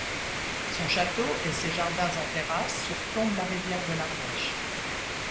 Son château et ses jardins en terrasses surplombent la rivière de l'Ardèche.